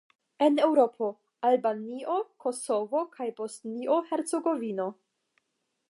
En Eŭropo: Albanio, Kosovo kaj Bosnio-Hercegovino.